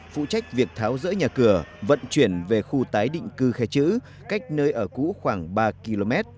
phụ trách việc tháo rỡ nhà cửa vận chuyển về khu tái định cư khe chữ cách nơi ở cũ khoảng ba km